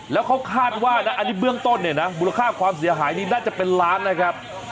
แล้วเขาคาดว่านะอันนี้เบื้องต้นเนี่ยนะมูลค่าความเสียหายนี่น่าจะเป็นล้านนะครับ